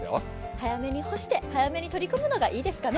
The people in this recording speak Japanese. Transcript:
早めに干して早めに取り込むのがいいですかね。